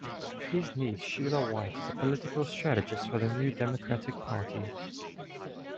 His niece Sheila White is a political strategist for the New Democratic Party.